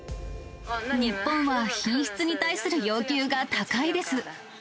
日本は品質に対する要求が高いです。